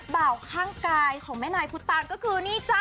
เบาข้างกายของแม่นายภูตาลก็คือนี่จ้ะ